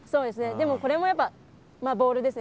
でもこれもやっぱボールですね。